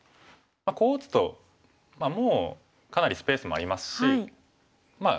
こう打つともうかなりスペースもありますしまあ